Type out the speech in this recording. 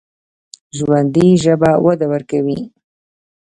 ژوندي ژبه وده ورکوي